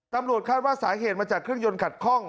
ตำรวจคาดว่าสาเหตุมาจากเครื่องยนต์ขัดคล่อง